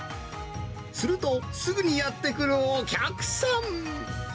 すると、すぐにやって来るお客さん。